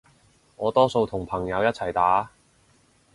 我多數同朋友一齊打